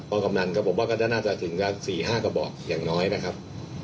ทำไมกำลังรบผิดกล้องก็ปิดกับ๒ตัวทำไมก็ปิดทั้งหมดครับ